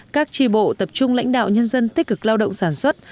các tri bộ tập trung lãnh đạo nhân dân tích cực lao động sản xuất